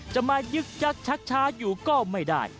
จะมายึกยักชักช้าอยู่ก็ไม่ได้